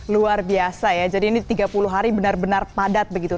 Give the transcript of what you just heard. luar biasa ya jadi ini tiga puluh hari benar benar padat begitu